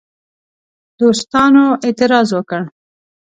دوستانو اعتراض وکړ.